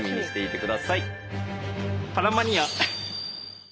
「パラマニア」！